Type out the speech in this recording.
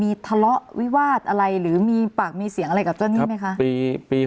มีทะเลาะวิวาสอะไรหรือมีปากมีเสียงอะไรกับเจ้าหนี้ไหมคะ